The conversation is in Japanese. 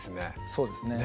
そうですね